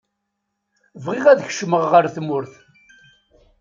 bɣiɣ ad kecmaɣ ɣer tmurt.